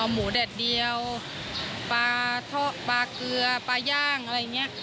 หมูแดดเดียวปลาทอดปลาเกลือปลาย่างอะไรอย่างนี้